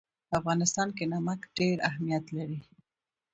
په افغانستان کې نمک ډېر اهمیت لري.